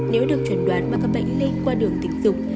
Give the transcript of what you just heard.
nếu được chuẩn đoán bằng các bệnh lây qua đường tình dục